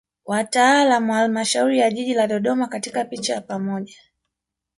Wataalam wa Halmashauri ya Jiji la Dodoma katika picha ya pamoja